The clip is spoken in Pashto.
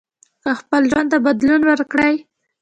که خپل ژوند ته بدلون ورکړئ